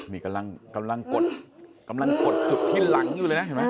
นี่กำลังกดกำลังกดจุดที่หลังอยู่เลยนะเห็นไหม